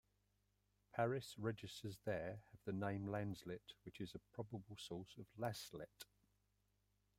Parish Registers there have the name Lanslett which is a probable source of Laslett.